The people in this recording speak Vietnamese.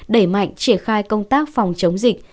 đẩy mạnh triển khai công tác phòng chống dịch